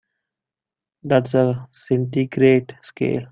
That's the centigrade scale.